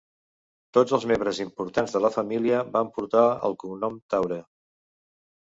Tots els membres importants de la família van portar el cognom Taure.